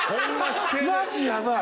マジヤバい！